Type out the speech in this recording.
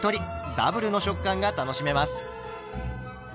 ダブルの食感が楽しめます。